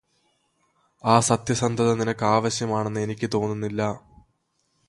ആ സത്യസന്ധത നിനക്ക് ആവശ്യം ആണെന്ന് എനിക്ക് തോന്നുന്നില്ല